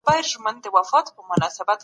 یوه ورځ وو